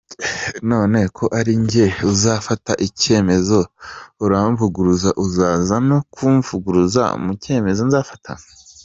None ko ari njye uzafata icyemezo uramvuguruza uzaza no kumvuguruza mu cyemezo nzafata.